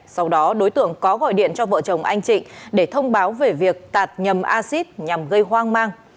sau đó đối tượng có gọi điện cho vợ chồng anh trịnh để thông báo về việc tạt nhầm acid nhằm gây hoang mang